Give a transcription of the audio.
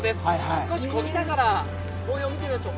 少しこぎながら、紅葉を見てみましょう。